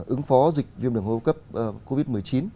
ứng phó dịch viêm đầm hô cấp covid một mươi chín